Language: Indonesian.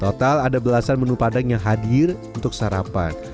total ada belasan menu padang yang hadir untuk sarapan